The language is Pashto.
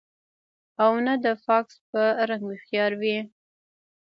او نۀ د فاکس پۀ رنګ هوښيار وي